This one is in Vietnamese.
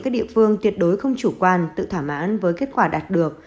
đối không chủ quan tự thỏa mãn với kết quả đạt được